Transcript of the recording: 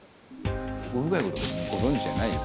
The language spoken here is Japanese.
奥深いこと別にご存じじゃないよ